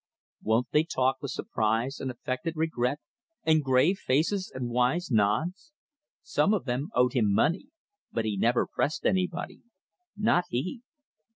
Won't they talk with surprise, and affected regret, and grave faces, and wise nods. Some of them owed him money, but he never pressed anybody. Not he.